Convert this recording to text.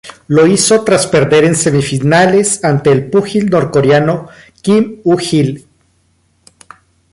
Lo hizo tras perder en semifinales ante el púgil norcoreano Kim U-Gil.